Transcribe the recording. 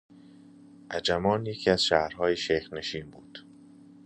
عجمان یکی از شهرهای شیخ نشین بود.